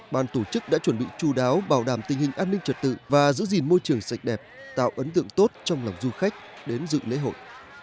ban tổ chức đã chuẩn bị chú đáo bảo đảm tình hình an ninh trật tự và giữ gìn môi trường sạch đẹp tạo ấn tượng tốt trong lòng du khách đến dự lễ hội